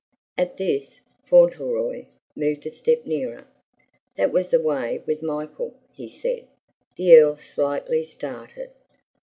At this Fauntleroy moved a step nearer. "That was the way with Michael," he said. The Earl slightly started.